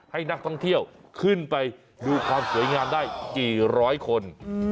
ให้นักท่องเที่ยวขึ้นไปดูความสวยงามได้กี่ร้อยคน